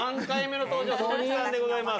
３回目の登場。